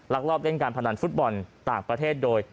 ลอบเล่นการพนันฟุตบอลต่างประเทศโดย